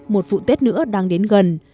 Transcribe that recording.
một vụ tết nữa đang đến gần